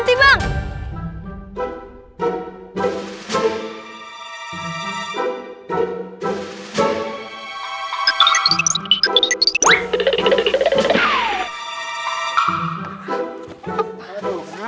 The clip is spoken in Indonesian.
iya ia pengkeconoman